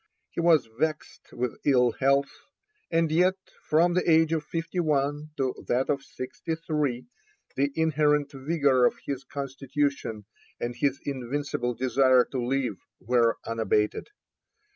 He was vexed with ill health, and yet from the age of fifty one to that of sixty three the inherent vigour of his constitution, and his invincible desire to live, were unabated.